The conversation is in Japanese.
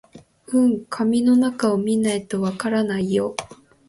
うん、紙の中を見ないとわからないよ